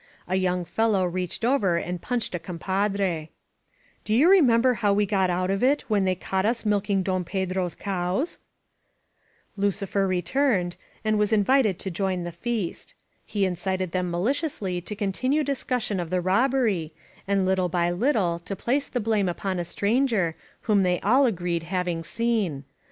A young fellow reached over and punched a compadre, Do you remember how we got out of it when they caught us milking Don Pedro's cows?" LOS PASTORES Lticifer returned, and was Invited to join the feast. He Incited them maliciously to continue discussion of the robbery, and little by little to place the blame upon a stranger whom they all agreed having seen.